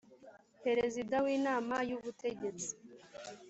perezida w inama y ubutegetsi